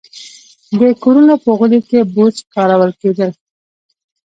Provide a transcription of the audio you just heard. د کورونو په غولي کې بوس کارول کېدل